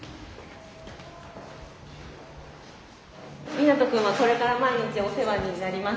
みなと君はこれから毎日お世話になります。